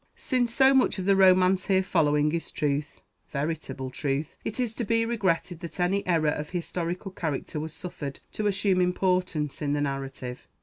Since so much of the romance here following is truth, veritable truth, it is to be regretted that any error of historical character was suffered to assume importance in the narrative.